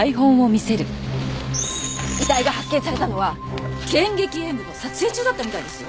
遺体が発見されたのは『剣戟炎武』の撮影中だったみたいですよ。